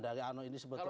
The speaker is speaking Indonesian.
dari ano ini sebetulnya